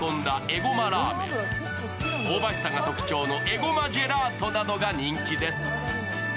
香ばしさが特徴のえごまジェラートなどが人気です。